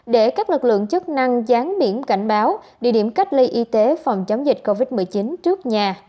để các lực lượng chức năng gián biển cảnh báo địa điểm cách ly y tế phòng chống dịch covid một mươi chín trước nhà